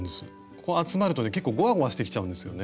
こう集まるとね結構ゴワゴワしてきちゃうんですよね。